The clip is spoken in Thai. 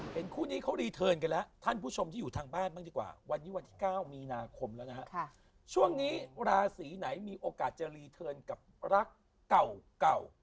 คู่นี้เขารีเทิร์นกันแล้วท่านผู้ชมที่อยู่ทางบ้านบ้างดีกว่าวันนี้วันที่๙มีนาคมแล้วนะฮะช่วงนี้ราศีไหนมีโอกาสจะรีเทิร์นกับรักเก่าเก่า